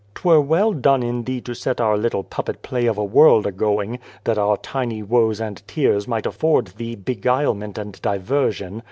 'Twere well done in Thee to set our little puppet play of a world a going, that our tiny woes and tears might afford Thee beguile ment and diversion.